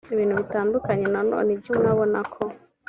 ibintu bitandukanye nanone ibyo umwe abona ko